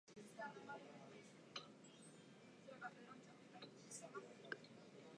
喧嘩売ってんの？